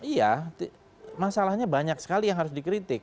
iya masalahnya banyak sekali yang harus dikritik